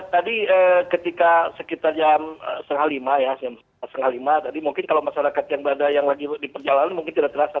tadi ketika sekitar jam setengah lima ya mungkin kalau masyarakat yang berada di perjalanan mungkin tidak terasa